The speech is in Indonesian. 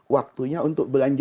waktunya untuk berkahnya